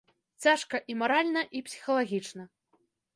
Цяжка і маральна, і псіхалагічна.